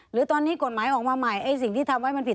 หรือตอนนี้กฎไม้ขอมาใหม่สิ่งที่ทำให้ผิด